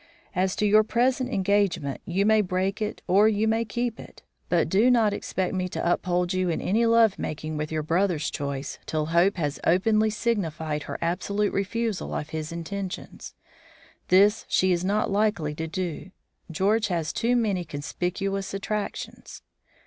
As to your present engagement, you may break it or you may keep it, but do not expect me to uphold you in any love making with your brother's choice till Hope has openly signified her absolute refusal of his attentions. This she is not likely to do; George has too many conspicuous attractions."